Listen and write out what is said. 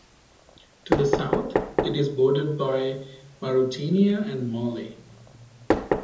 To the south, it is bordered by Mauritania and Mali.